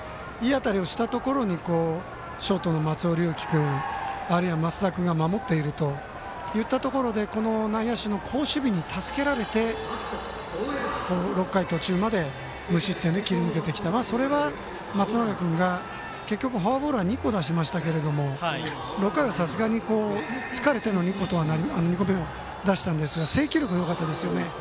いい当たりをしたところでショートの松尾龍樹君増田君が守っているといったところで内野手の、好守備に助けられて６回途中まで無失点で切り抜けてきたのはそれは松永君が結局、フォアボールは２個出しましたけれど６回は、さすがに疲れての２個目を出したんですが制球力がよかったですよね。